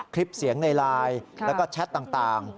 คลิปเสียงในไลน์แล้วก็แชทต่าง